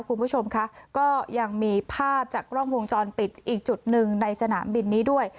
คุณผู้ชมค่ะก็ยังมีภาพจากกล้องวงจรปิดอีกจุดหนึ่งในสนามบินนี้ด้วย